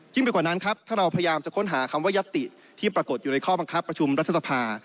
ไปกว่านั้นครับถ้าเราพยายามจะค้นหาคำว่ายัตติที่ปรากฏอยู่ในข้อบังคับประชุมรัฐสภา